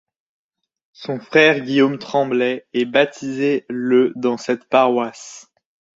Son frère Guillaume Tremblay est baptisé le dans cette paroisse.